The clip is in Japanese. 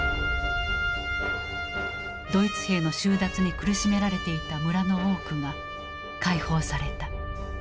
ドイツ兵の収奪に苦しめられていた村の多くが解放された。